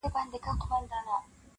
وزرماتي زاڼي ګرځي آشیانه له کومه راوړو-